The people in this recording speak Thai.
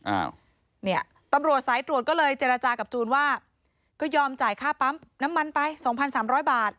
อ้าวเนี่ยตำรวจสายตรวจก็เลยเจรจากับจูนว่าก็ยอมจ่ายค่าปั๊มน้ำมันไปสองพันสามร้อยบาท